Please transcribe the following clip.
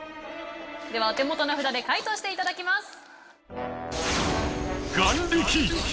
ではお手元の札で解答していただきます。